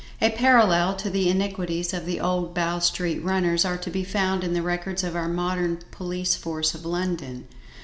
A parallel to the iniquities of the old Bow Street runners are to be found in the records of our modern police force of London.